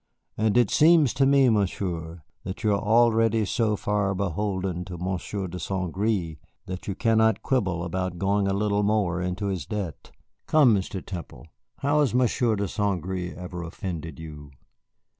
"And it seems to me, Monsieur, that you are already so far beholden to Monsieur de St. Gré that you cannot quibble about going a little more into his debt. Come, Mr. Temple, how has Monsieur de St. Gré ever offended you?"